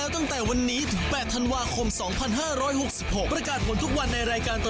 ตรงนี้มากยกยกเยอะมากนะคะ